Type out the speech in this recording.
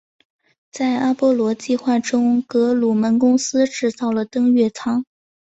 在阿波罗计划中格鲁门公司制造了登月舱。